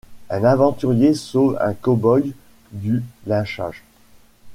Un aventurier sauve un cow-boy du lynchage.